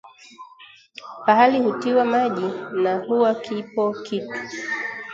Pahali hutiwa maji na huwa kipo kitu